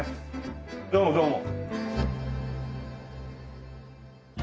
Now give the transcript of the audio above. どうもどうも。